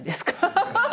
ハハハハ！